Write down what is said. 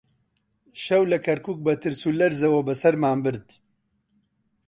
شەو لە کەرکووک بە ترس و لەرزەوە بەسەرمان برد